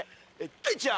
大ちゃん。